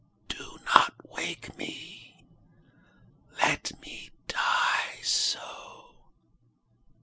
Do not wake me! ŌĆölet me die so!